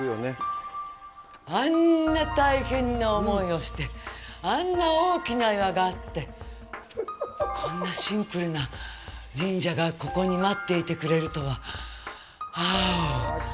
あんな大変な思いをしてあんな大きな岩があってこんなシンプルな神社がここに待っていてくれるとは。